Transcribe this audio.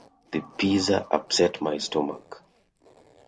The pizza upset my stomach.